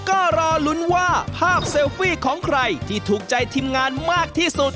ก็รอลุ้นว่าภาพเซลฟี่ของใครที่ถูกใจทีมงานมากที่สุด